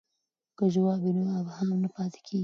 که ځواب وي نو ابهام نه پاتیږي.